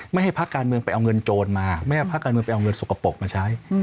ไม่ให้พักการเมืองไปเอาเงินโจรมาไม่ให้ภาคการเมืองไปเอาเงินสกปรกมาใช้